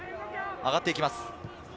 上がっていきます。